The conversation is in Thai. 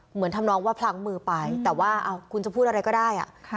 เหมือนทำน้องว่าพลังมือไปแต่ว่าอ้าวคุณจะพูดอะไรก็ได้อ่ะ